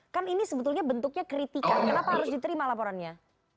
kan ini sebetulnya bentuknya kritikan kenapa harus diterima laporannya